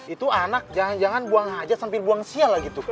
itu anak jangan jangan buang aja sambil buang sia lah gitu